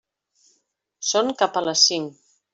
Són cap a les cinc.